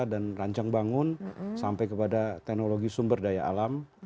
dan rancang bangun sampai kepada teknologi sumber daya alam